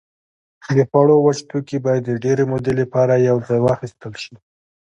د خوړو وچ توکي باید د ډېرې مودې لپاره یوځای واخیستل شي.